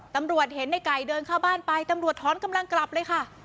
ตำรวจเห็นในไก่เดินเข้าบ้านไปตำรวจถอนกำลังกลับเลยค่ะ